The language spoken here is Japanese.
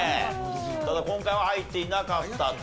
ただ今回は入っていなかったと。